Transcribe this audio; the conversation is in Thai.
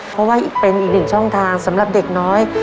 เพราะว่าเป็นอีกหนึ่งช่องทางสำหรับเด็กน้อย